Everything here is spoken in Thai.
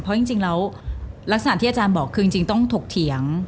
เพราะจริงแล้วลักษณะที่อาจารย์บอกคือจริงต้องถกเถียง